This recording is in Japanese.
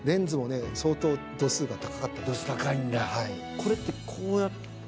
これってこうやって。